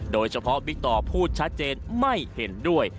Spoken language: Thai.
โดยเฉพาะวิกตอร์พูดชัดเจนไม่เห็นด้วย